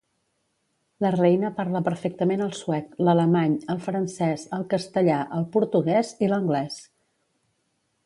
La reina parla perfectament el suec, l'alemany, el francès, el castellà, el portuguès i l'anglès.